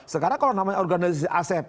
sekarang kalau namanya organisasi asep